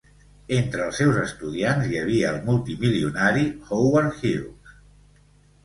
Entre els seus estudiants hi havia el multimilionari Howard Hughes.